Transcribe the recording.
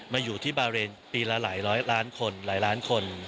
มาอยู่ที่บาเรนปีละหลายร้อยล้านคนหลายล้านคน